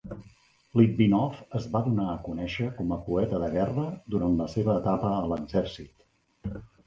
Litvinoff es va donar a conèixer com a poeta de guerra durant la seva etapa a l'exèrcit.